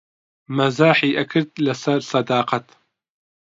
مەزاحی ئەکرد لەسەر سەداقەت